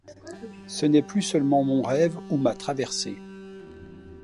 Ce n’est plus seulement mon rêve ou ma traversée.